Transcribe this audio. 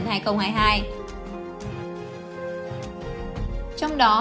trong đó tỉnh vĩnh phúc